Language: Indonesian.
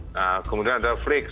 nah kemudian ada flix